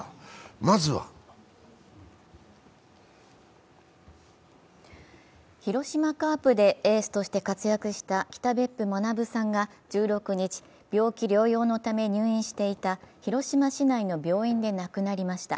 まずは広島カープでエースとして活躍した北別府学さんが１６日、病気療養のため入院していた広島市内の病院で亡くなりました。